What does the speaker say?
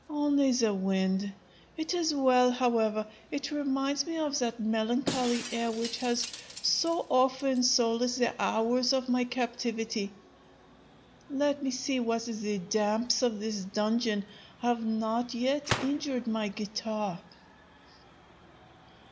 Only the wind: it is well, however; it reminds me of that melancholy air which has so often solaced the hours of my captivity. Let me see whether the damps of this dungeon have not yet injured my guitar.